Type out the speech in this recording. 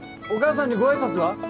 お母さんにご挨拶は？